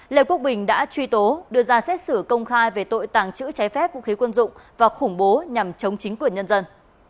lê quốc bình đã truy tố đưa ra xét xử công khai về tội tàng trữ trái phép vũ khí quân dụng và khủng bố nhằm chống chính quyền nhân dân